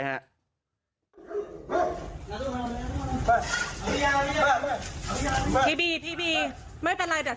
มาจากไหนฟิล